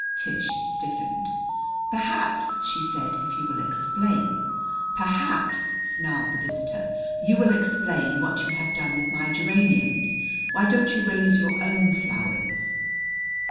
Tish stiffened. "Perhaps," she said, "if you will explain " "Perhaps," snarled the visitor, "you will explain what you have done with my geraniums! Why don't you raise your own flowers?"